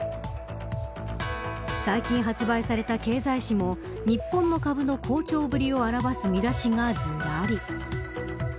最近発売された経済誌も日本の株の好調ぶりを表す見出しがずらり。